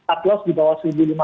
aklos di bawah